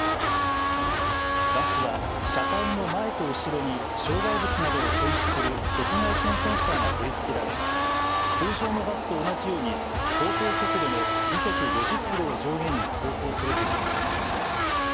バスは車体の前と後ろに障害物などを検知する赤外線センサーが取り付けられ通常のバスと同じように法定速度の時速５０キロを上限に走行するということです。